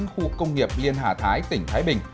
khu công nghiệp liên hà thái tỉnh thái bình